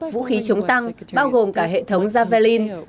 vũ khí chống tăng bao gồm cả hệ thống javelin